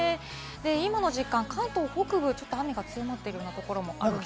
今の時間、関東北部ちょっと雨が強まっているようなところもあります。